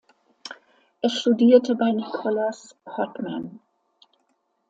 Er studierte bei Nicolas Hotman.